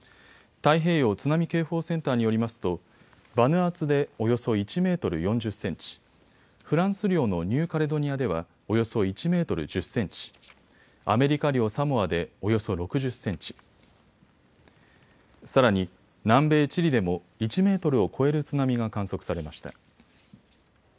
太平洋津波警報センターによりますとバヌアツでおよそ１メートル４０センチ、フランス領のニューカレドニアではおよそ１メートル１０センチ、アメリカ領サモアでおよそ６０センチ、さらに南米チリでも１メートルを超える津波が観測されました。